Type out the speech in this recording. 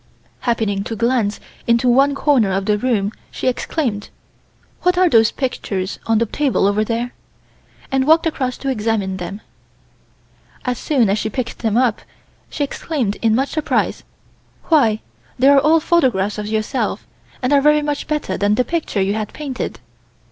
Happening to glance into one corner of the room she exclaimed: "What are those pictures on the table over there," and walked across to examine them. As soon as she picked them up, she exclaimed in much surprise: "Why, they are all photographs of yourself, and are very much better than the picture you had painted.